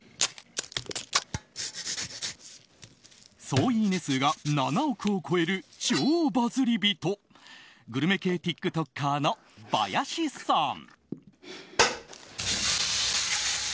総いいね数が７億を超える超バズり人グルメ系ティックトッカーのバヤシさん。